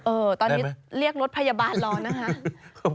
ตอนนี้เรียกรถพยาบาลรอนะคะ